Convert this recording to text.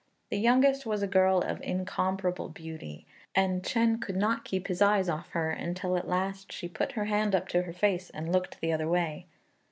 The youngest was a girl of incomparable beauty, and Chên could not keep his eyes off her, until at last she put her hand up to her face and looked the other way.